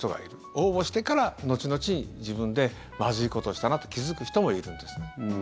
応募してから後々、自分でまずいことをしたなと気付く人もいるんです。